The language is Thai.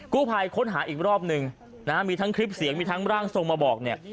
กู้ภัยค้นหาอีกรอบหนึ่งนะฮะมีทั้งคลิปเสียงมีทั้งร่างทรงมาบอกเนี่ย